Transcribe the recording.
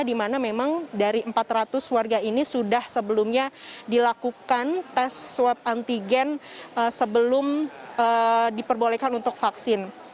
di mana memang dari empat ratus warga ini sudah sebelumnya dilakukan tes swab antigen sebelum diperbolehkan untuk vaksin